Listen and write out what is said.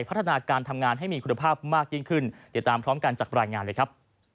พัฒนาการทำงานให้มีคุณภาพมากยิ่งขึ้นติดตามพร้อมกันจากรายงานเลยครับ